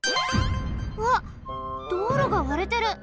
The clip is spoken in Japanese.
うわっ道路がわれてる！